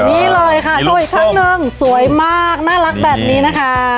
นี่เลยค่ะโชว์อีกชั้นหนึ่งสวยมากน่ารักแบบนี้นะคะ